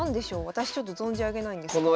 私ちょっと存じ上げないんですけど。